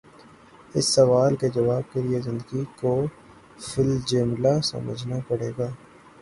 اس سوال کے جواب کے لیے زندگی کو فی الجملہ سمجھنا پڑے گا۔